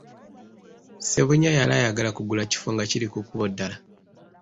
Ssebunya yali ayagala kugula kifo nga kiri ku kkubo ddala.